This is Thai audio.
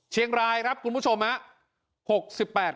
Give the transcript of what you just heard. เชียงรายครับคุณผู้ชมฮะ